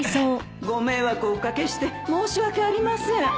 ご迷惑をおかけして申し訳ありません